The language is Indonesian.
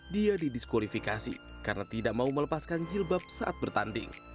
dia didiskualifikasi karena tidak mau melepaskan jilbab saat bertanding